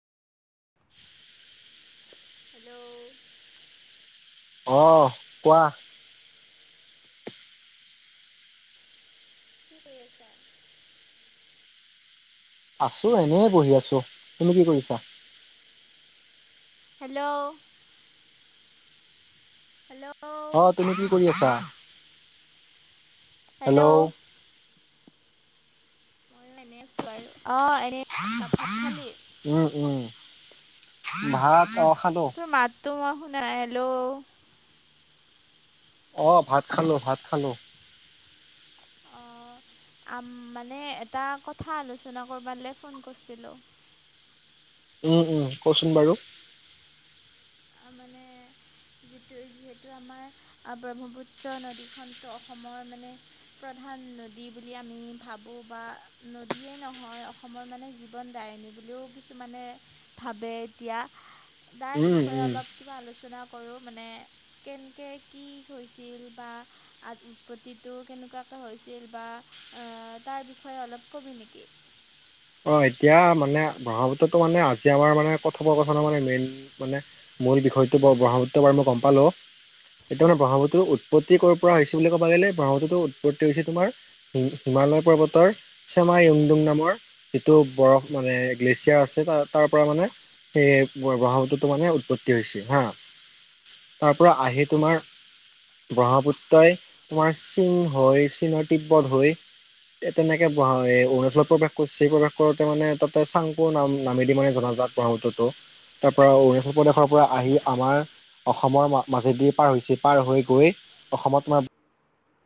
[inaudible] Hello. অহ কোৱা? কি কৰি আছা? আছো এনে বহি আছো। তুমি কি কৰিছা? হেল্ল'। হেল্ল'। অহ, তুমি কি কৰি আছা? হেল্ল'। ময়ো এনেই আছোঁ বাৰু অঁ এনে বা ভাত খালি? উম, উম। ভাত অ। খালো তোৰ মাত তো মই শুনা নাই, হেল্ল'। অ, ভাত খালো, ভাত খালো। অ। আম মানে এটা কথা আলোচনা কৰবালে ফোন কৰিছিলো। কওচোন বাৰু। আ মানে যি যিহেতু আমাৰ ব্ৰহ্মপুত্ৰ নদীখনতো অসমৰ মানে প্ৰধান এখন নদী বুলি আমি ভাবোঁ বা নদীয়ে নহয় অসমৰ মানে জীৱন দায়িনী। কিছুমানে ভাবে এতিয়া তাৰ উম, বিষয়ে উম, অলপ কিবা আলোচনা কৰোঁ মানে কেনকে কি হৈছিল বা উৎপত্তিটো কেনেকুৱা হৈছিল, বা তাৰ বিষয়ে অলপ ক'বি নেকি? অ এতিয়া মানে ব্ৰহ্মপুত্ৰতটো মানে আজি আমাৰ মানে কথপকথনৰ মানে মেইন মানে মূল বিষয়টো বৰ ব্ৰহ্মপুত্ৰবাৰ মই গম পালোঁ। এতিয়া মানে ব্ৰহ্মপুত্ৰ উৎপত্তি ক'ৰ পৰা হৈছে বুলি ক'ব গ'লে ব্ৰহ্মপুত্ৰটো উৎপত্তি হৈছে তোমাৰ মালয় পৰ্বতৰ চেমা য়ুংডুং নামৰ যিটো বৰফ মানে গ্লেছিয়াৰ আছে ত তাৰ পৰা মানে সেই বহাৱটোতো মানে উৎপত্তি হৈছে হা। তাৰ পৰা আহি তোমাৰ ব্ৰহ্মপুত্ৰই তোমাৰ চীন হৈ চীনৰ তিব্বত হৈ এ তেনেকে অৰুণাচলত প্ৰৱেশ কৰচি প্ৰৱেশ কৰোতে মানে তাতে চাংপো নাম নামে দি মানে জনাজাত ব্ৰহ্মপুত্ৰটো। তাৰ পৰা অৰুণাচল প্ৰদেশৰ পৰা আহি আমাৰ অসমৰ মাজেদি পাৰ হৈছে পাৰ হৈ গৈ অসমত তোমাৰ